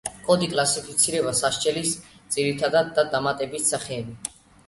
კოდი კლასიფიცირდება სასჯელის ძირითად და დამატებით სახეებად.